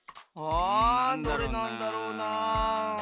あどれなんだろうな。